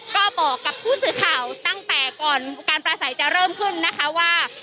ก็บอกกับผู้สื่อข่าวตั้งแต่ก่อนการประสัยจะเริ่มขึ้นนะคะว่า